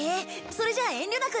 それじゃあ遠慮なく。